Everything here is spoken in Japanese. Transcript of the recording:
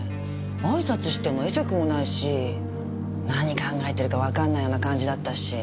挨拶しても会釈もないし何考えてるかわかんないような感じだったし。